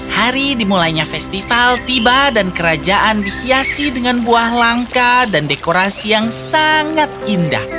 hari dimulainya festival tiba dan kerajaan dihiasi dengan buah langka dan dekorasi yang sangat indah